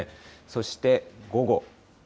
そして午後。